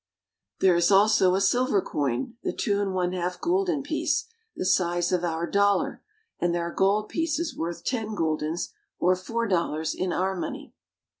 There is also a silver coin, the two and one half gulden piece, the size of our dollar, and there are gold pieces worth ten guldens, or four dollars of our money.